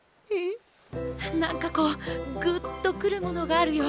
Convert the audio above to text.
なんかこうグッとくるものがあるよ。